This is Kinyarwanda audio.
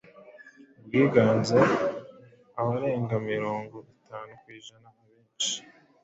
Ubwiganze: abarenga mirongo itanu ku ijana, abenshi.